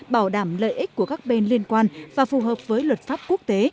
bảo đảm lợi ích của các bên liên quan và phù hợp với luật pháp quốc tế